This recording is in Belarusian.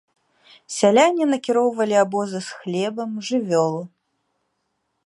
Сяляне накіроўвалі абозы з хлебам, жывёлу.